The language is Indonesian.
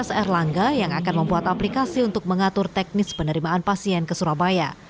mas erlangga yang akan membuat aplikasi untuk mengatur teknis penerimaan pasien ke surabaya